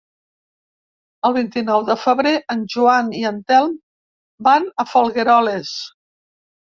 El vint-i-nou de febrer en Joan i en Telm van a Folgueroles.